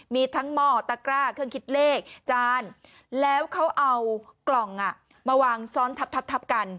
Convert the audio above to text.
มีทั้งหม้อตะกร้าเครื่องคิดเลขจานแล้วเขาเอากล่องมาวางซ้อนทับกัน